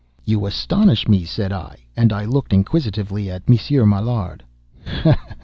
"You astonish me!" said I; and I looked inquisitively at Monsieur Maillard. "Ha!